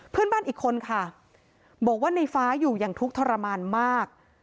เพื่อนบ้านอีกคนค่ะบอกว่าในฟ้าอยู่อย่างทุกข์ทรมานมาก